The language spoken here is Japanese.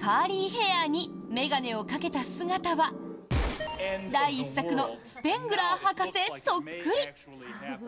カーリーヘアに眼鏡をかけた姿は第１作のスペングラー博士そっくり。